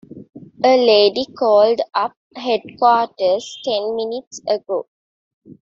A lady called up headquarters ten minutes ago.